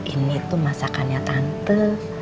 ini tuh masakannya tante